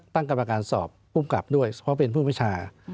ตั้งกรรมการสอบภูมิกับด้วยเพราะเป็นผู้วิชา